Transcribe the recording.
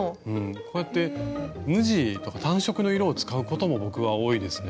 こうやって無地とか単色の色を使うことも僕は多いですね。